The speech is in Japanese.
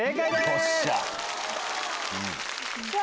よっしゃ！